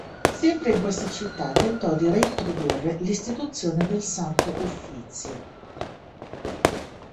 Sempre in questa città, tentò di reintrodurre l'istituzione del Santo Uffizio.